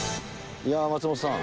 いやあ松本さん。